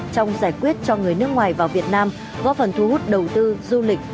trong giải quyết cho người nước ngoài vào việt nam góp phần thu hút đầu tư du lịch